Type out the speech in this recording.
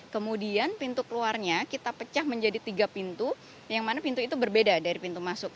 kemudian pintu keluarnya kita pecah menjadi tiga pintu yang mana pintu itu berbeda dari pintu masuk